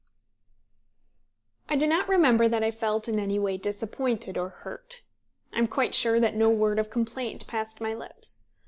I do not remember that I felt in any way disappointed or hurt. I am quite sure that no word of complaint passed my lips.